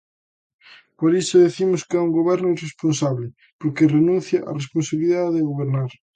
Por iso dicimos que é un goberno irresponsable, porque renuncia á responsabilidade de gobernar.